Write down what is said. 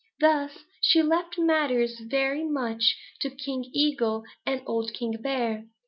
Thus she left matters very much to King Eagle and old King Bear.